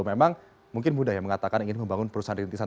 memang mungkin mudah ya mengatakan ingin membangun perusahaan rintisan